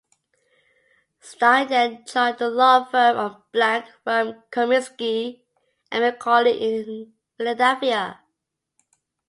Stein then joined the law firm of Blank Rome Comisky and McCauley in Philadelphia.